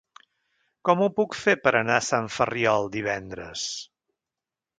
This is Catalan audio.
Com ho puc fer per anar a Sant Ferriol divendres?